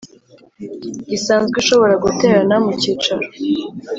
gisanzwe Ishobora guterana mu cyicaro